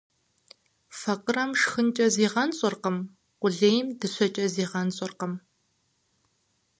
Факъырэм шхынкӏэ зигъэнщӏыркъым, къулейм дыщэкӏэ зигъэнщӏыркъым.